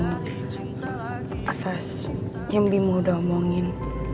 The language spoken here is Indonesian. atas yang bimu udah omongin